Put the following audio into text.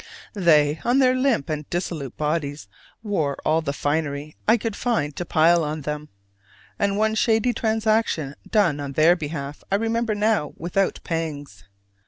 They, on their limp and dissolute bodies, wore all the finery I could find to pile on them: and one shady transaction done on their behalf I remember now without pangs.